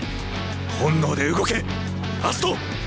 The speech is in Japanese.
本能で動け葦人！